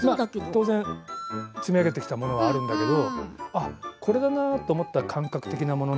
当然積み上げてきたものはあるんだけれどもこれだなと思った感覚的なもの